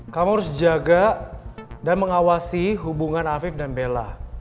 kamu harus jaga dan mengawasi hubungan afif dan bella